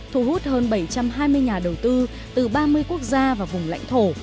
thu hút hơn bảy trăm hai mươi nhà đầu tư từ ba mươi quốc gia và vùng lãnh thổ